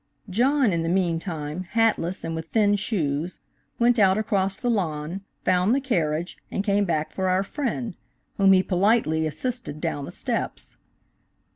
John, in the meantime, hatless and with thin shoes, went out across the lawn, found the carriage, and came back for our friend, whom he politely assisted down the steps.